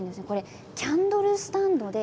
キャンドルスタンドです。